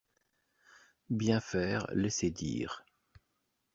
Bien faire, laisser dire